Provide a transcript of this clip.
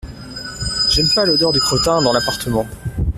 J’aime pas l’odeur du crottin dans l’appartement.